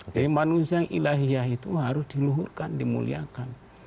jadi manusia yang ilahiah itu harus diluhurkan dimuliakan